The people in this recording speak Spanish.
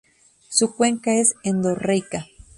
Su cuenca es endorreica.